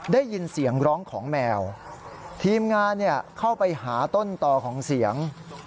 ได้ยินเสียงร้องของแมวทีมงานเข้าไปหาต้นต่อของเสียง